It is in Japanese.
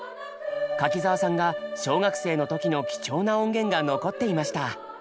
柿澤さんが小学生の時の貴重な音源が残っていました。